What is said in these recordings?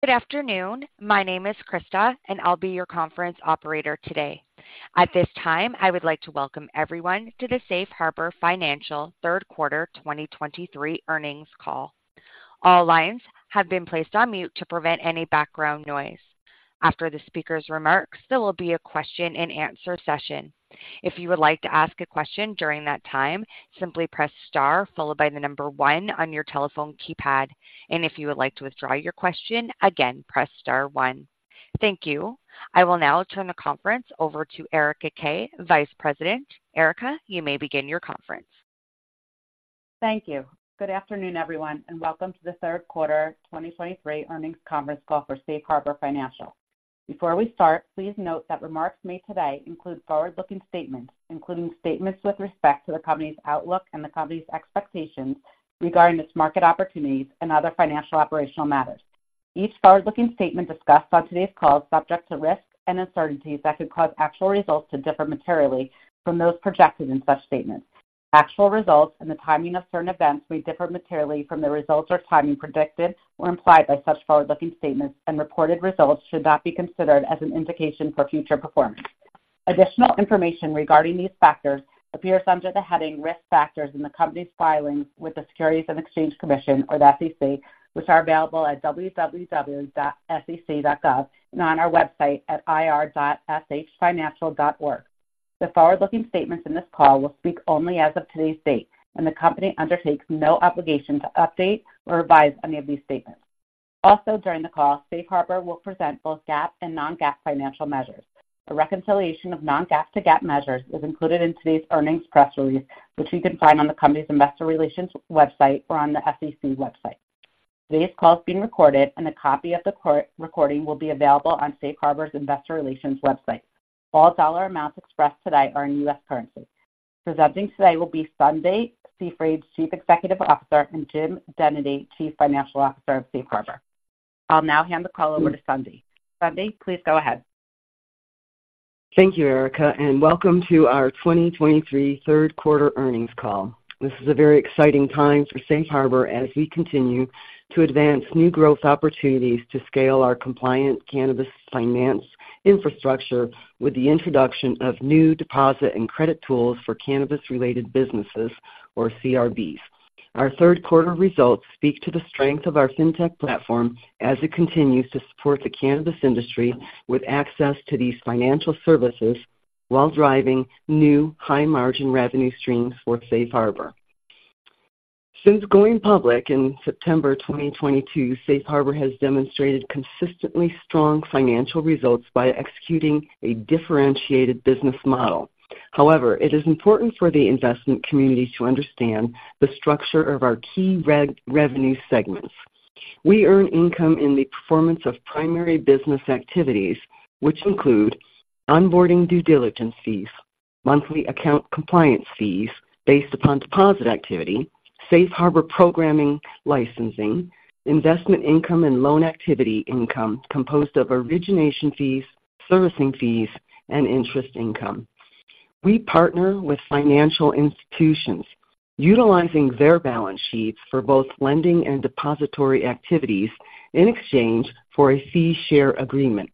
Good afternoon. My name is Krista, and I'll be your conference operator today. At this time, I would like to welcome everyone to the Safe Harbor Financial Q3 2023 earnings call. All lines have been placed on mute to prevent any background noise. After the speaker's remarks, there will be a question-and-answer session. If you would like to ask a question during that time, simply press star followed by the number one on your telephone keypad, and if you would like to withdraw your question, again, press star one. Thank you. I will now turn the conference over to Erica Kay, Vice President. Erica, you may begin your conference. Thank you. Good afternoon, everyone, and welcome to the Q3 2023 earnings conference call for Safe Harbor Financial. Before we start, please note that remarks made today include forward-looking statements, including statements with respect to the company's outlook and the company's expectations regarding its market opportunities and other financial operational matters. Each forward-looking statement discussed on today's call is subject to risks and uncertainties that could cause actual results to differ materially from those projected in such statements. Actual results and the timing of certain events may differ materially from the results or timing predicted or implied by such forward-looking statements, and reported results should not be considered as an indication for future performance. Additional information regarding these factors appears under the heading Risk Factors in the company's filings with the Securities and Exchange Commission, or the SEC, which are available at www.sec.gov and on our website at ir.shfinancial.org. The forward-looking statements in this call will speak only as of today's date, and the company undertakes no obligation to update or revise any of these statements. Also, during the call, Safe Harbor will present both GAAP and non-GAAP financial measures. A reconciliation of non-GAAP to GAAP measures is included in today's earnings press release, which you can find on the company's investor relations website or on the SEC website. Today's call is being recorded, and a copy of the recording will be available on Safe Harbor's investor relations website. All dollar amounts expressed today are in U.S. currency. Presenting today will be Sundie Seefried, Chief Executive Officer, and Jim Dennedy, Chief Financial Officer of Safe Harbor. I'll now hand the call over to Sundie. Sundie, please go ahead. Thank you, Erica, and welcome to our 2023 Q3 earnings call. This is a very exciting time for Safe Harbor as we continue to advance new growth opportunities to scale our compliant cannabis finance infrastructure with the introduction of new deposit and credit tools for cannabis-related businesses, or CRBs. Our Q3 results speak to the strength of our fintech platform as it continues to support the cannabis industry with access to these financial services while driving new high-margin revenue streams for Safe Harbor. Since going public in September 2022, Safe Harbor has demonstrated consistently strong financial results by executing a differentiated business model. However, it is important for the investment community to understand the structure of our key revenue segments. We earn income in the performance of primary business activities, which include onboarding due diligence fees, monthly account compliance fees based upon deposit activity, Safe Harbor Program licensing, investment income, and loan activity income composed of origination fees, servicing fees, and interest income. We partner with financial institutions, utilizing their balance sheets for both lending and depository activities in exchange for a fee share agreement.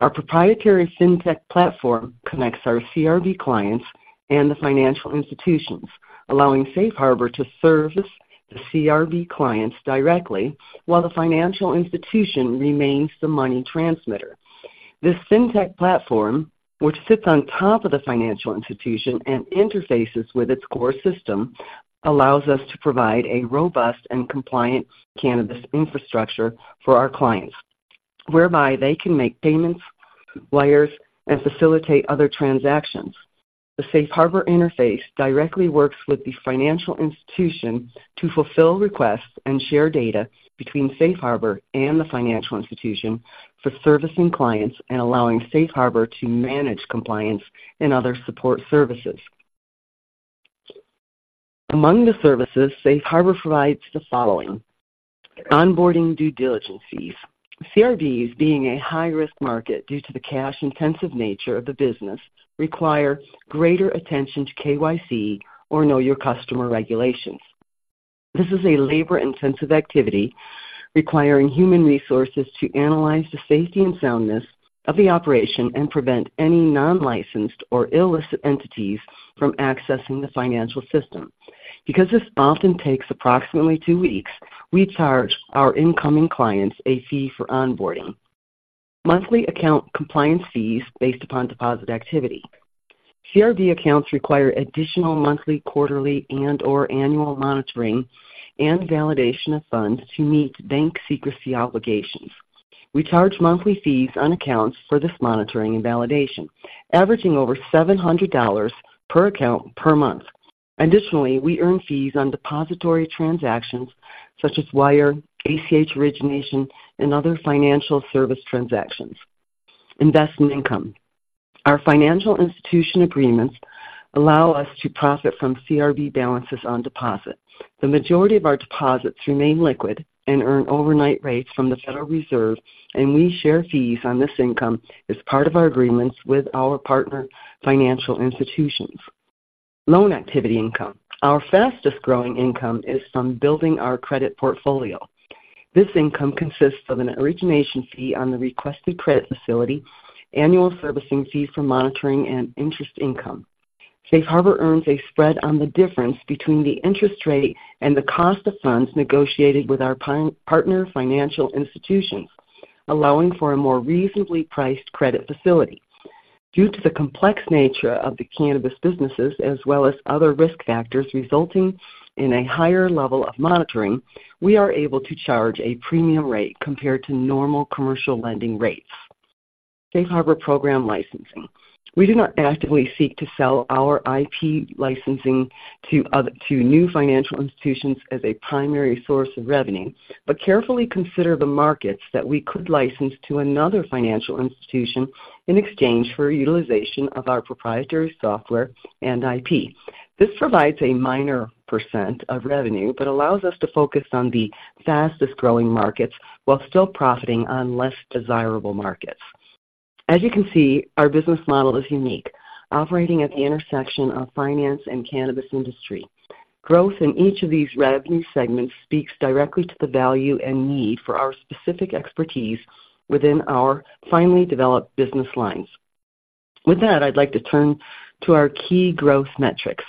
Our proprietary fintech platform connects our CRB clients and the financial institutions, allowing Safe Harbor to service the CRB clients directly while the financial institution remains the money transmitter. This fintech platform, which sits on top of the financial institution and interfaces with its core system, allows us to provide a robust and compliant cannabis infrastructure for our clients, whereby they can make payments, wires, and facilitate other transactions. The Safe Harbor interface directly works with the financial institution to fulfill requests and share data between Safe Harbor and the financial institution for servicing clients and allowing Safe Harbor to manage compliance and other support services. Among the services, Safe Harbor provides the following: onboarding due diligence fees. CRBs, being a high-risk market due to the cash-intensive nature of the business, require greater attention to KYC, or know your customer regulations. This is a labor-intensive activity requiring human resources to analyze the safety and soundness of the operation and prevent any non-licensed or illicit entities from accessing the financial system. Because this often takes approximately two weeks, we charge our incoming clients a fee for onboarding. Monthly account compliance fees based upon deposit activity. CRB accounts require additional monthly, quarterly, and/or annual monitoring and validation of funds to meet bank secrecy obligations. We charge monthly fees on accounts for this monitoring and validation, averaging over $700 per account per month. Additionally, we earn fees on depository transactions such as wire, ACH origination, and other financial service transactions. Investment income. Our financial institution agreements allow us to profit from CRB balances on deposit. The majority of our deposits remain liquid and earn overnight rates from the Federal Reserve, and we share fees on this income as part of our agreements with our partner financial institutions. Loan activity income. Our fastest growing income is from building our credit portfolio. This income consists of an origination fee on the requested credit facility, annual servicing fees for monitoring and interest income. Safe Harbor earns a spread on the difference between the interest rate and the cost of funds negotiated with our partner financial institutions, allowing for a more reasonably priced credit facility. Due to the complex nature of the cannabis businesses as well as other risk factors resulting in a higher level of monitoring, we are able to charge a premium rate compared to normal commercial lending rates. Safe Harbor Program Licensing. We do not actively seek to sell our IP licensing to other new financial institutions as a primary source of revenue, but carefully consider the markets that we could license to another financial institution in exchange for utilization of our proprietary software and IP. This provides a minor percent of revenue, but allows us to focus on the fastest growing markets while still profiting on less desirable markets. As you can see, our business model is unique, operating at the intersection of finance and cannabis industry. Growth in each of these revenue segments speaks directly to the value and need for our specific expertise within our finely developed business lines. With that, I'd like to turn to our key growth metrics,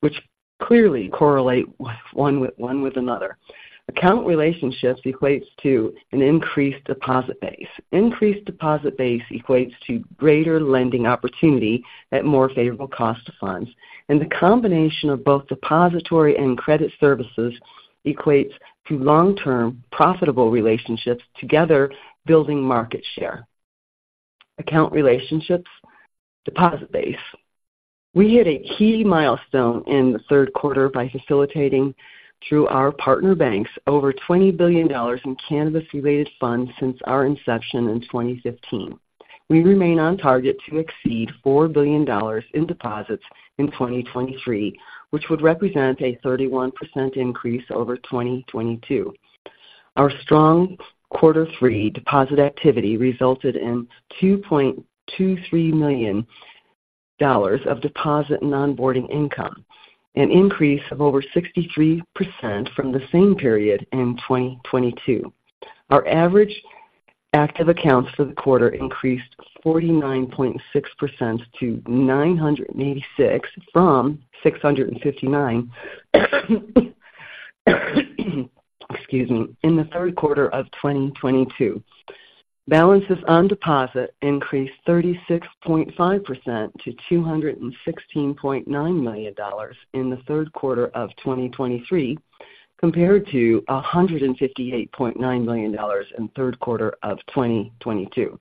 which clearly correlate with one another. Account relationships equates to an increased deposit base. Increased deposit base equates to greater lending opportunity at more favorable cost of funds. The combination of both depository and credit services equates to long-term, profitable relationships, together building market share. Account relationships. Deposit base. We hit a key milestone in the Q3 by facilitating, through our partner banks, over $20 billion in cannabis-related funds since our inception in 2015. We remain on target to exceed $4 billion in deposits in 2023, which would represent a 31% increase over 2022. Our strong quarter three deposit activity resulted in $2.23 million of deposit and onboarding income, an increase of over 63% from the same period in 2022. Our average active accounts for the quarter increased 49.6% to 986, from 659, excuse me, in the Q3 of 2022. Balances on deposit increased 36.5% to $216.9 million in the Q3 of 2023, compared to $158.9 million in Q3 of 2022.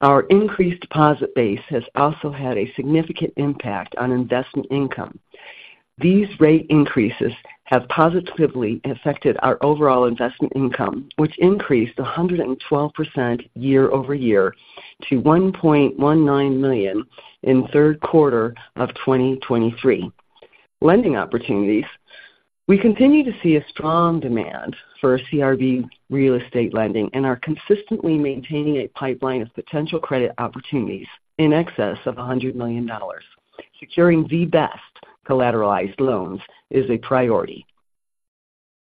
Our increased deposit base has also had a significant impact on investment income. These rate increases have positively affected our overall investment income, which increased 112% year-over-year to $1.19 million in Q3 of 2023. Lending opportunities. We continue to see a strong demand for CRB real estate lending and are consistently maintaining a pipeline of potential credit opportunities in excess of $100 million. Securing the best collateralized loans is a priority.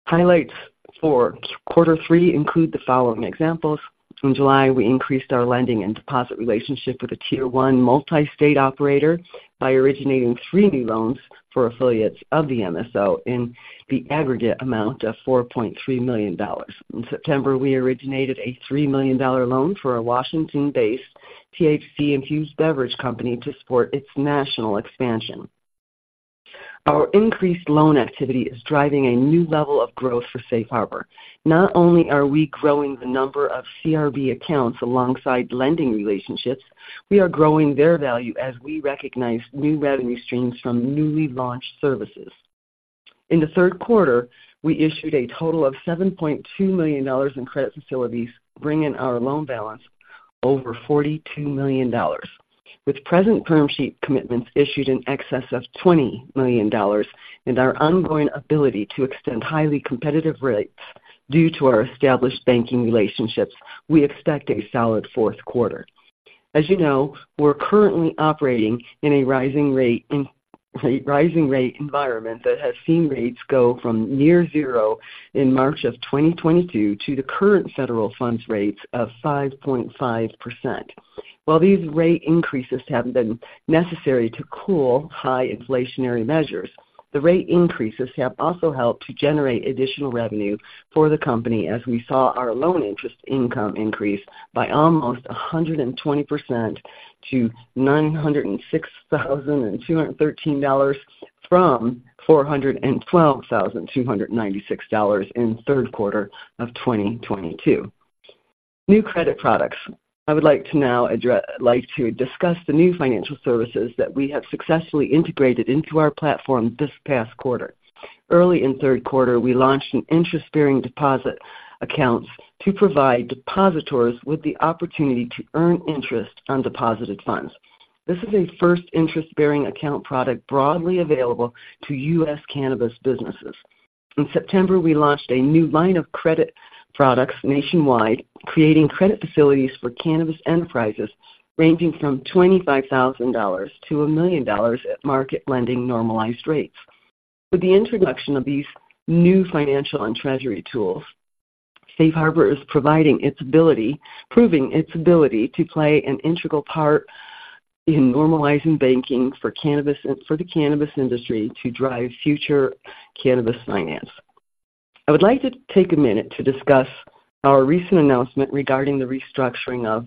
Highlights for quarter three include the following examples: In July, we increased our lending and deposit relationship with a Tier One multi-state operator by originating three new loans for affiliates of the MSO in the aggregate amount of $4.3 million. In September, we originated a $3 million loan for a Washington-based THC-infused beverage company to support its national expansion. Our increased loan activity is driving a new level of growth for Safe Harbor. Not only are we growing the number of CRB accounts alongside lending relationships, we are growing their value as we recognize new revenue streams from newly launched services. In the Q3, we issued a total of $7.2 million in credit facilities, bringing our loan balance over $42 million. With present term sheet commitments issued in excess of $20 million and our ongoing ability to extend highly competitive rates due to our established banking relationships, we expect a solid Q4. As you know, we're currently operating in a rising rate environment that has seen rates go from near zero in March of 2022 to the current federal funds rates of 5.5%. While these rate increases have been necessary to cool high inflationary measures, the rate increases have also helped to generate additional revenue for the company, as we saw our loan interest income increase by almost 120% to $906,213, from $412,296 in Q3 of 2022. New credit products. I would like to now address, like to discuss the new financial services that we have successfully integrated into our platform this past quarter. Early in Q3, we launched an interest-bearing deposit accounts to provide depositors with the opportunity to earn interest on deposited funds. This is a first interest-bearing account product broadly available to U.S. cannabis businesses.... In September, we launched a new line of credit products nationwide, creating credit facilities for cannabis enterprises ranging from $25,000-$1 million at market lending normalized rates. With the introduction of these new financial and treasury tools, Safe Harbor is proving its ability to play an integral part in normalizing banking for cannabis, and for the cannabis industry to drive future cannabis finance. I would like to take a minute to discuss our recent announcement regarding the restructuring of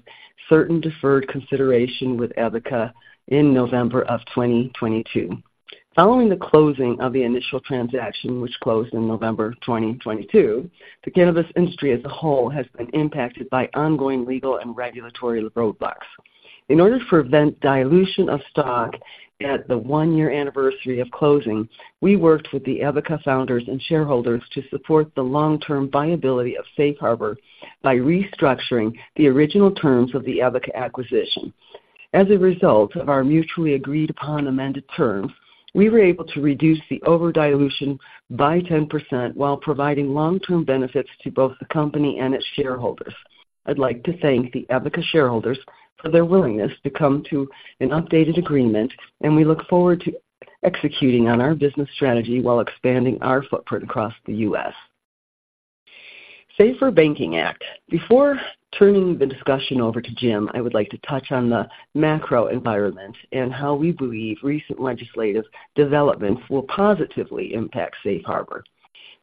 certain deferred consideration with Advica in November 2022. Following the closing of the initial transaction, which closed in November 2022, the cannabis industry as a whole has been impacted by ongoing legal and regulatory roadblocks. In order to prevent dilution of stock at the one-year anniversary of closing, we worked with the Advica founders and shareholders to support the long-term viability of Safe Harbor by restructuring the original terms of the Advica acquisition. As a result of our mutually agreed-upon amended terms, we were able to reduce the over dilution by 10% while providing long-term benefits to both the company and its shareholders. I'd like to thank the Advica shareholders for their willingness to come to an updated agreement, and we look forward to executing on our business strategy while expanding our footprint across the U.S. Safer Banking Act. Before turning the discussion over to Jim, I would like to touch on the macro environment and how we believe recent legislative developments will positively impact Safe Harbor.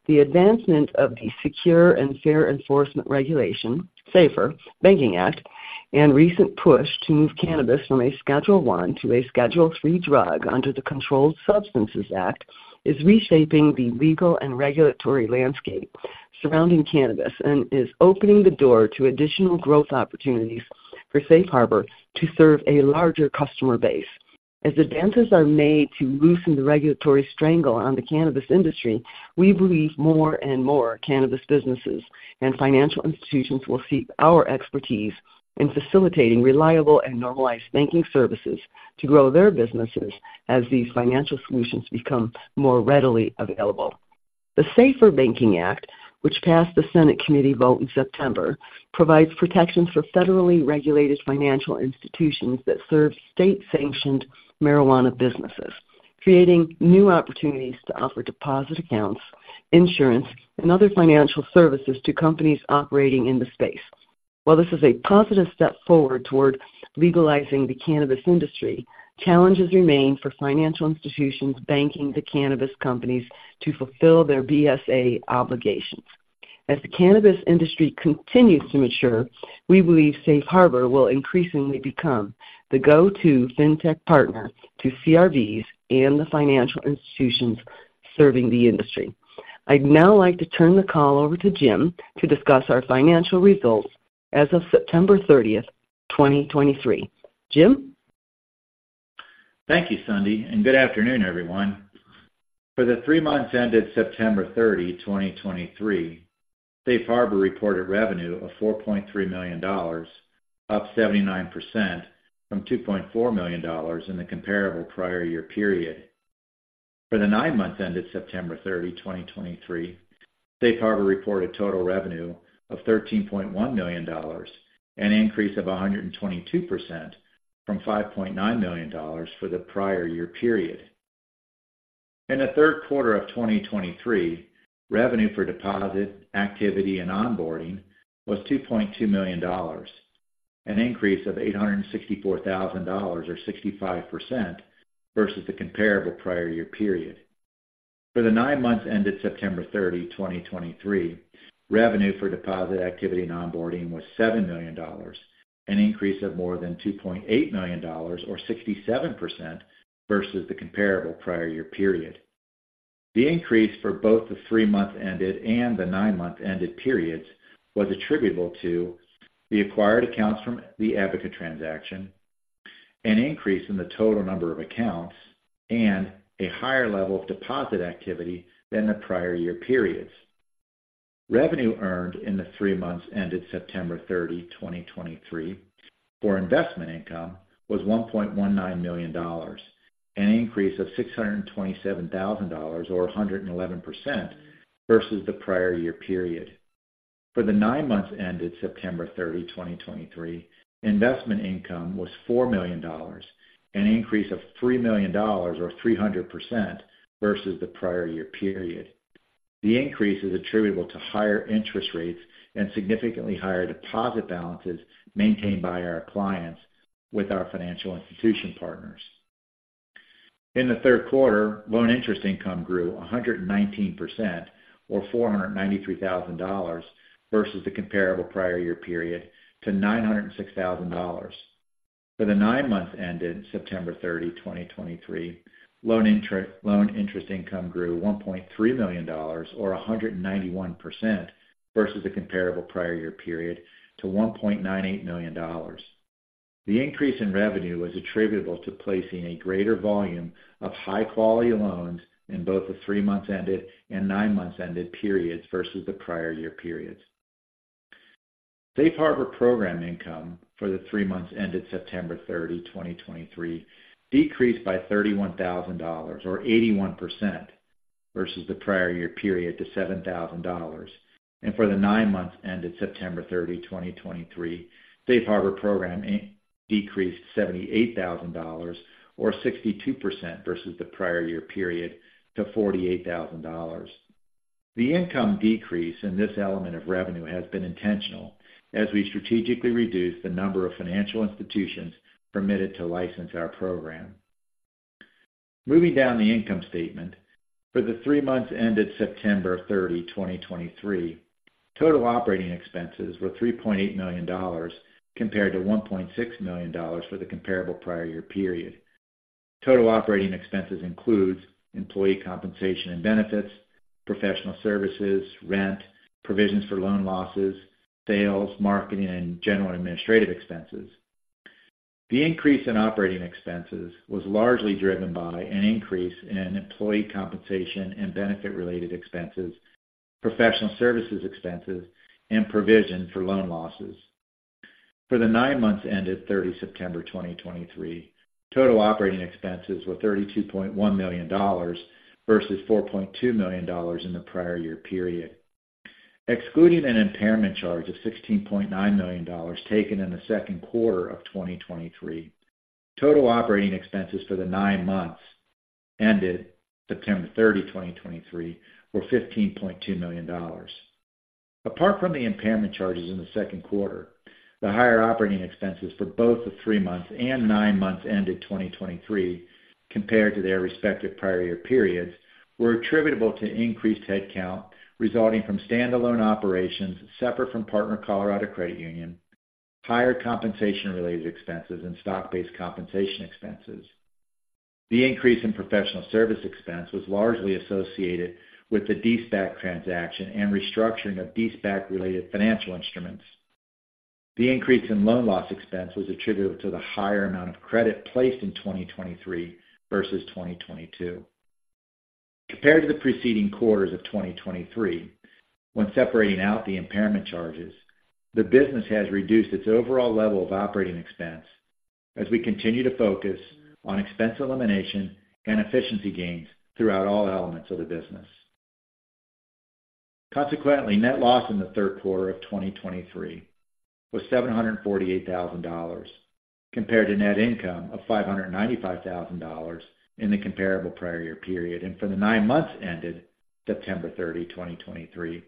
The advancement of the Secure and Fair Enforcement Regulation, Safer Banking Act, and recent push to move cannabis from a Schedule One to a Schedule Three drug under the Controlled Substances Act, is reshaping the legal and regulatory landscape surrounding cannabis, and is opening the door to additional growth opportunities for Safe Harbor to serve a larger customer base. As advances are made to loosen the regulatory strangle on the cannabis industry, we believe more and more cannabis businesses and financial institutions will seek our expertise in facilitating reliable and normalized banking services to grow their businesses as these financial solutions become more readily available. The Safer Banking Act, which passed the Senate committee vote in September, provides protections for federally regulated financial institutions that serve state-sanctioned marijuana businesses, creating new opportunities to offer deposit accounts, insurance, and other financial services to companies operating in the space. While this is a positive step forward toward legalizing the cannabis industry, challenges remain for financial institutions banking the cannabis companies to fulfill their BSA obligations. As the cannabis industry continues to mature, we believe Safe Harbor will increasingly become the go-to fintech partner to CRBs and the financial institutions serving the industry. I'd now like to turn the call over to Jim to discuss our financial results as of September 30, 2023. Jim? Thank you, Sundie, and good afternoon, everyone. For the three months ended September 30, 2023, Safe Harbor reported revenue of $4.3 million, up 79% from $2.4 million in the comparable prior year period. For the nine months ended September 30, 2023, Safe Harbor reported total revenue of $13.1 million, an increase of 122% from $5.9 million for the prior year period. In the third quarter of 2023, revenue for deposit, activity, and onboarding was $2.2 million, an increase of $864,000, or 65%, versus the comparable prior year period. For the 9 months ended September 30, 2023, revenue for deposit activity and onboarding was $7 million, an increase of more than $2.8 million or 67% versus the comparable prior year period. The increase for both the 3-month ended and the 9-month ended periods was attributable to the acquired accounts from the Abaca transaction, an increase in the total number of accounts, and a higher level of deposit activity than the prior year periods. Revenue earned in the 3 months ended September 30, 2023, for investment income was $1.19 million, an increase of $627,000, or 111%, versus the prior year period. For the nine months ended September 30, 2023, investment income was $4 million, an increase of $3 million, or 300%, versus the prior year period. The increase is attributable to higher interest rates and significantly higher deposit balances maintained by our clients with our financial institution partners. In the Q3, loan interest income grew 119%, or $493,000, versus the comparable prior year period to $906,000. For the nine months ended September 30, 2023, loan interest income grew $1.3 million, or 191%, versus the comparable prior year period to $1.98 million. The increase in revenue was attributable to placing a greater volume of high-quality loans in both the three months ended and nine months ended periods versus the prior year periods.... Safe Harbor Program income for the three months ended September 30, 2023, decreased by $31,000 or 81% versus the prior year period to $7,000. For the nine months ended September 30, 2023, Safe Harbor Program decreased $78,000 or 62% versus the prior year period to $48,000. The income decrease in this element of revenue has been intentional, as we strategically reduced the number of financial institutions permitted to license our program. Moving down the income statement, for the three months ended September 30, 2023, total operating expenses were $3.8 million, compared to $1.6 million for the comparable prior year period. Total operating expenses includes employee compensation and benefits, professional services, rent, provisions for loan losses, sales, marketing, and general administrative expenses. The increase in operating expenses was largely driven by an increase in employee compensation and benefit-related expenses, professional services expenses, and provision for loan losses. For the nine months ended September 30, 2023, total operating expenses were $32.1 million versus $4.2 million in the prior year period. Excluding an impairment charge of $16.9 million taken in the Q2 of 2023, total operating expenses for the nine months ended September 30, 2023, were $15.2 million. Apart from the impairment charges in the Q2, the higher operating expenses for both the three months and nine months ended 2023, compared to their respective prior year periods, were attributable to increased headcount, resulting from standalone operations separate from Partner Colorado Credit Union, higher compensation-related expenses, and stock-based compensation expenses. The increase in professional service expense was largely associated with the de-SPAC transaction and restructuring of de-SPAC-related financial instruments. The increase in loan loss expense was attributed to the higher amount of credit placed in 2023 versus 2022. Compared to the preceding quarters of 2023, when separating out the impairment charges, the business has reduced its overall level of operating expense as we continue to focus on expense elimination and efficiency gains throughout all elements of the business. Consequently, net loss in the Q3 of 2023 was $748,000, compared to net income of $595,000 in the comparable prior year period. And for the nine months ended September 30, 2023,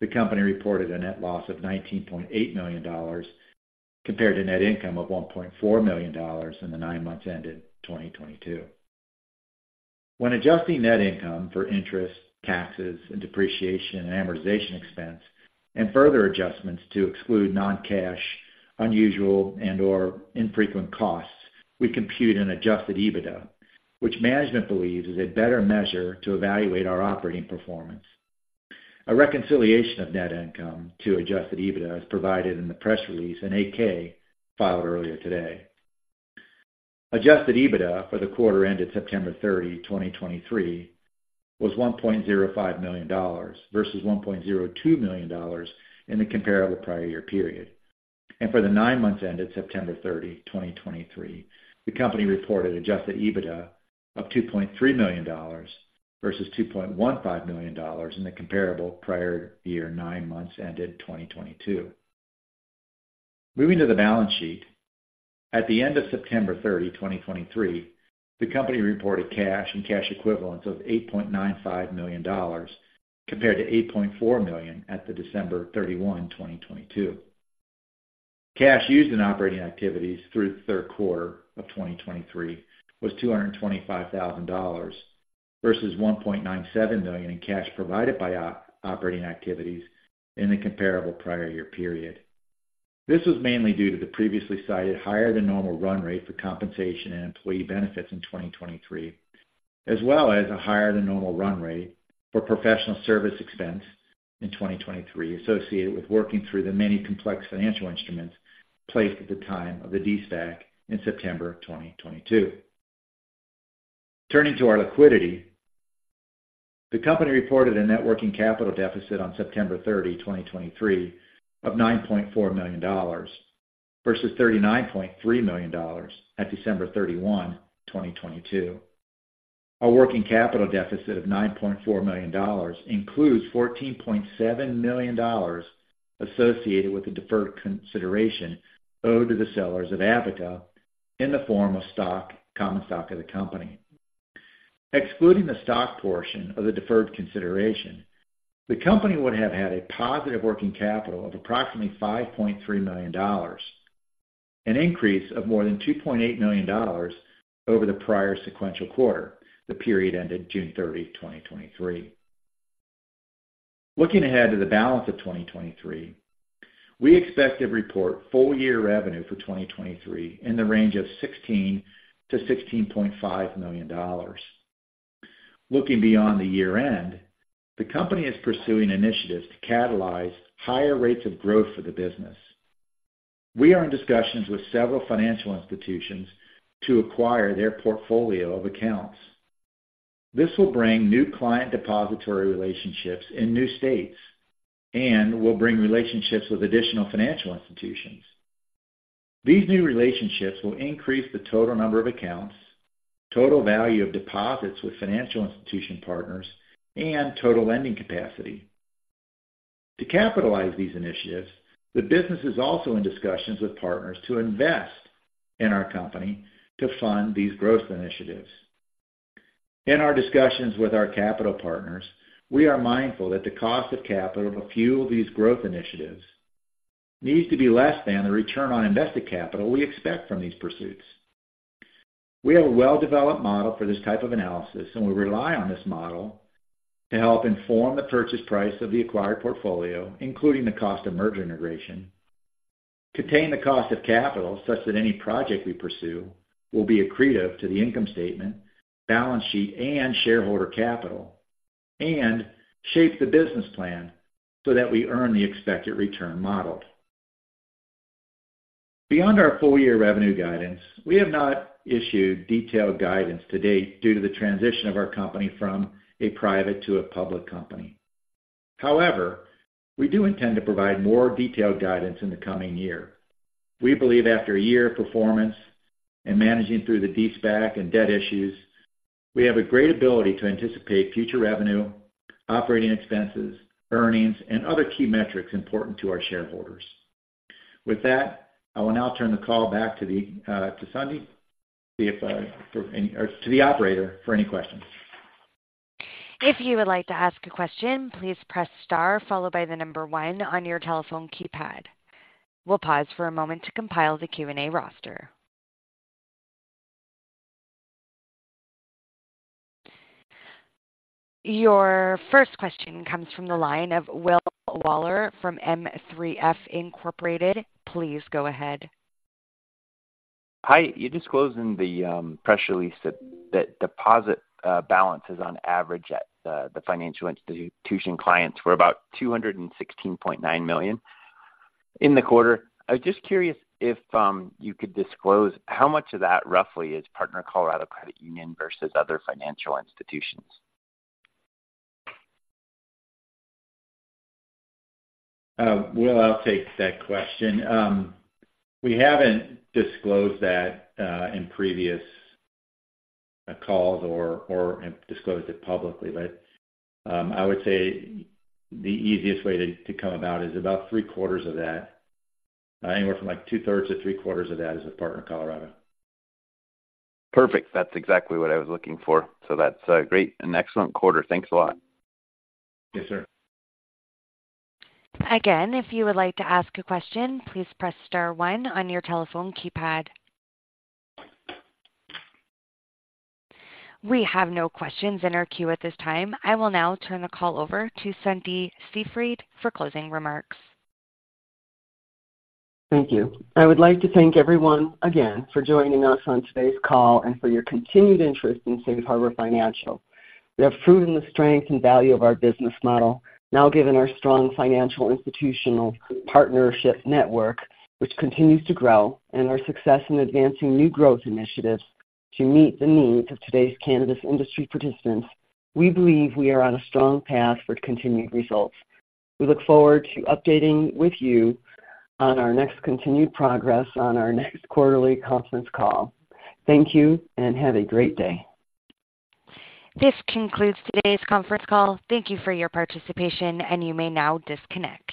the company reported a net loss of $19.8 million, compared to net income of $1.4 million in the nine months ended 2022. When adjusting net income for interest, taxes, and depreciation, and amortization expense, and further adjustments to exclude non-cash, unusual, and/or infrequent costs, we compute an adjusted EBITDA, which management believes is a better measure to evaluate our operating performance. A reconciliation of net income to adjusted EBITDA is provided in the press release and 8-K filed earlier today. Adjusted EBITDA for the quarter ended September 30, 2023, was $1.05 million, versus $1.02 million in the comparable prior year period. For the nine months ended September 30, 2023, the company reported adjusted EBITDA of $2.3 million, versus $2.15 million in the comparable prior year nine months ended 2022. Moving to the balance sheet. At the end of September 30, 2023, the company reported cash and cash equivalents of $8.95 million, compared to $8.4 million at December 31, 2022. Cash used in operating activities through the Q3 of 2023 was $225,000, versus $1.97 million in cash provided by operating activities in the comparable prior year period. This was mainly due to the previously cited higher than normal run rate for compensation and employee benefits in 2023, as well as a higher than normal run rate for professional service expense in 2023, associated with working through the many complex financial instruments placed at the time of the de-SPAC in September 2022. Turning to our liquidity, the company reported a net working capital deficit on September 30, 2023, of $9.4 million versus $39.3 million at December 31, 2022. Our working capital deficit of $9.4 million includes $14.7 million associated with the deferred consideration owed to the sellers of Abaca in the form of stock, common stock of the company. Excluding the stock portion of the deferred consideration, the company would have had a positive working capital of approximately $5.3 million, an increase of more than $2.8 million over the prior sequential quarter, the period ended June 30, 2023. Looking ahead to the balance of 2023, we expect to report full-year revenue for 2023 in the range of $16-$16.5 million. Looking beyond the year-end, the company is pursuing initiatives to catalyze higher rates of growth for the business.... We are in discussions with several financial institutions to acquire their portfolio of accounts. This will bring new client depository relationships in new states and will bring relationships with additional financial institutions. These new relationships will increase the total number of accounts, total value of deposits with financial institution partners, and total lending capacity. To capitalize these initiatives, the business is also in discussions with partners to invest in our company to fund these growth initiatives. In our discussions with our capital partners, we are mindful that the cost of capital to fuel these growth initiatives needs to be less than the return on invested capital we expect from these pursuits. We have a well-developed model for this type of analysis, and we rely on this model to help inform the purchase price of the acquired portfolio, including the cost of merger integration, contain the cost of capital, such that any project we pursue will be accretive to the income statement, balance sheet, and shareholder capital, and shape the business plan so that we earn the expected return modeled. Beyond our full-year revenue guidance, we have not issued detailed guidance to date due to the transition of our company from a private to a public company. However, we do intend to provide more detailed guidance in the coming year. We believe after a year of performance and managing through the de-SPAC and debt issues, we have a great ability to anticipate future revenue, operating expenses, earnings, and other key metrics important to our shareholders. With that, I will now turn the call back to Sundie or to the operator for any questions. If you would like to ask a question, please press star followed by the number one on your telephone keypad. We'll pause for a moment to compile the Q&A roster. Your first question comes from the line of Will Waller from M3F Incorporated. Please go ahead. Hi. You disclosed in the press release that that deposit balances on average at the the financial institution clients were about $216.9 million in the quarter. I was just curious if you could disclose how much of that, roughly, is Partner Colorado Credit Union versus other financial institutions? Will, I'll take that question. We haven't disclosed that in previous calls or disclosed it publicly, but I would say the easiest way to come about is about three-quarters of that. Anywhere from, like, two-thirds to three-quarters of that is with Partner Colorado. Perfect. That's exactly what I was looking for. So that's great. An excellent quarter. Thanks a lot. Yes, sir. Again, if you would like to ask a question, please press star one on your telephone keypad. We have no questions in our queue at this time. I will now turn the call over to Sundie Seefried for closing remarks. Thank you. I would like to thank everyone again for joining us on today's call and for your continued interest in Safe Harbor Financial. We have proven the strength and value of our business model, now given our strong financial institutional partnership network, which continues to grow, and our success in advancing new growth initiatives to meet the needs of today's cannabis industry participants. We believe we are on a strong path for continued results. We look forward to updating with you on our next continued progress on our next quarterly conference call. Thank you, and have a great day. This concludes today's conference call. Thank you for your participation, and you may now disconnect.